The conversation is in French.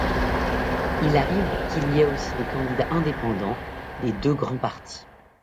Il arrive qu’il y ait aussi des candidats indépendants des deux grands partis.